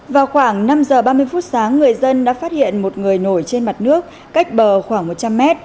vào khoảng năm giờ ba mươi phút sáng người dân đã phát hiện một người nổi trên mặt nước cách bờ khoảng một trăm linh mét